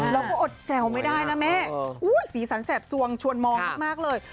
อดแซวไม่ได้นะแม่สีสันแสบสวงชวนมองมากเลย